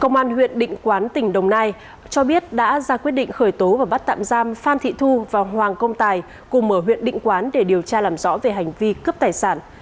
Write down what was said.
công an huyện định quán tỉnh đồng nai cho biết đã ra quyết định khởi tố và bắt tạm giam phan thị thu và hoàng công tài cùng ở huyện định quán để điều tra làm rõ về hành vi cướp tài sản